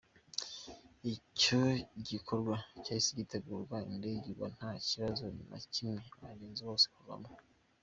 Icyo gikorwa cyahise gitegurwa, indege igwa nta kibazo na kimwe abagenzi bose bavanwamo.